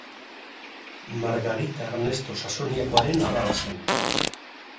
Margarita Ernesto Saxoniakoaren alaba zen.